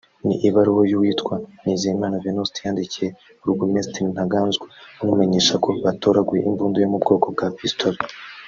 ni ibaruwa y’uwitwa Nizeyimana Venuste yandikiye Burugumesitiri Ntaganzwa amumenyesha ko batoraguye imbunda yo mu bwo bwa pisitore